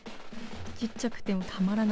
ちっちゃくてもうたまらない。